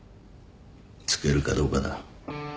つけるかどうかだ。